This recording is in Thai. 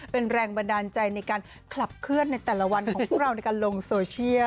เป็นแรงบันดาลใจในการขับเคลื่อนในแต่ละวันของพวกเราในการลงโซเชียล